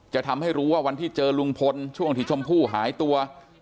จะทำให้รู้ว่าวันที่เจอลุงพลช่วงที่ชมพู่หายตัว